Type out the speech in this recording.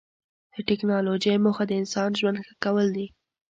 د ټکنالوجۍ موخه د انسان ژوند ښه کول دي.